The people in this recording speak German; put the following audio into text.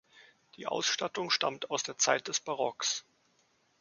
Die Ausstattung stammt aus der Zeit des Barocks.